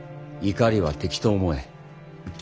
「怒りは敵と思え」。